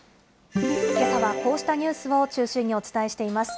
けさはこうしたニュースを中心にお伝えしています。